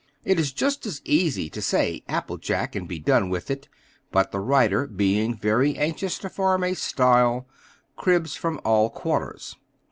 It is just as easy to say "apple jack," and be done with it; but the writer, being very anxious to form a style, cribs from all quarters.